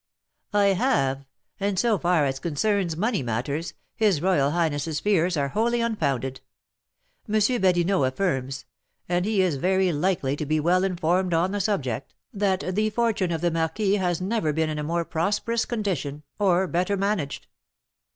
"I have; and, so far as concerns money matters, his royal highness's fears are wholly unfounded. M. Badinot affirms (and he is very likely to be well informed on the subject) that the fortune of the marquis has never been in a more prosperous condition, or better managed."